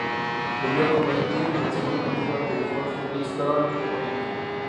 Volvió a convertir en el segundo partido ante Jorge Wilstermann de Bolivia.